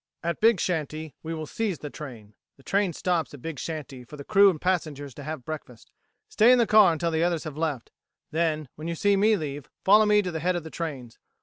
"At Big Shanty we will seize the train. The train stops at Big Shanty for the crew and passengers to have breakfast. Stay in the car until the others have left; then, when you see me leave, follow me to the head of the trains.